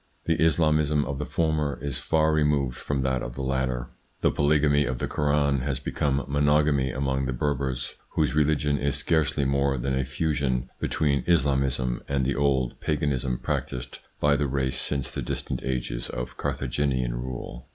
The Islamism of the former is far removed from that of the latter ; the polygamy of the Koran has become monogamy among the Berbers, whose religion is scarcely more than a fusion between Islamism and the old paganism practised by the race since the distant ages of Carthaginian rule.